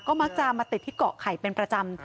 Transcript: มักจะมาติดที่เกาะไข่เป็นประจำ